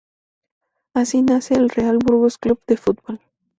Así nace el Real Burgos Club de Fútbol.